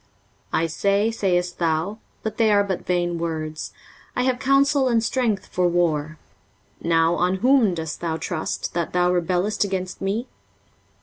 23:036:005 I say, sayest thou, (but they are but vain words) I have counsel and strength for war: now on whom dost thou trust, that thou rebellest against me?